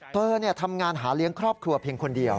เธอทำงานหาเลี้ยงครอบครัวเพียงคนเดียว